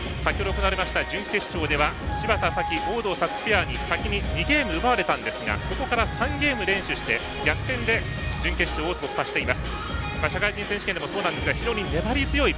先ほど行われました準決勝では芝田沙季、大藤沙月ペアに先に２ゲーム奪われたんですがそこから３ゲーム連取して逆転で準決勝を突破しています。